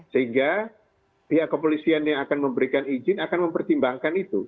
sehingga pihak kepolisian yang akan memberikan izin akan mempertimbangkan itu